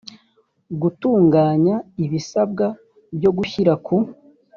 gutunganya ibisabwa byo gushyira ku